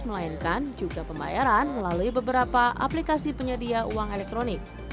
melainkan juga pembayaran melalui beberapa aplikasi penyedia uang elektronik